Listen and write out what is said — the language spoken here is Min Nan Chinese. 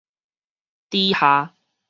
邸下